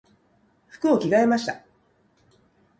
服を着替えました。